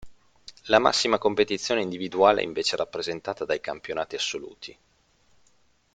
La massima competizione individuale è invece rappresentata dai Campionati assoluti.